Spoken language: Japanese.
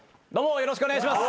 よろしくお願いします。